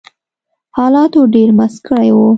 حالاتو ډېر مست کړي وو